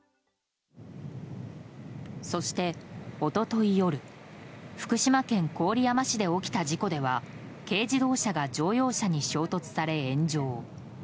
そして、一昨日夜福島県郡山市で起きた事故では軽自動車が乗用車に衝突され炎上。